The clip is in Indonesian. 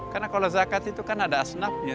karena kalau zakat itu kan ada asnabnya